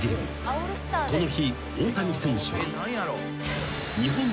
［この日大谷選手は］